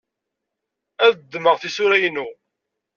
Ad ddmeɣ tisura-inu.